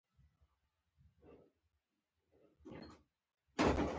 مور حیوان په بچي ډیره مینه کوي